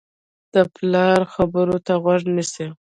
د پلار خبرو ته غوږ نیسي.